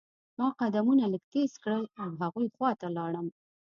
ما قدمونه لږ تیز کړل او هغوی خوا ته لاړم.